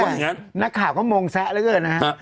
หน้าก่าวก็มองแซะเรื่อยนะฮะ